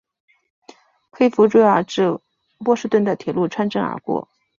黑弗瑞尔至波士顿的铁路穿镇而过。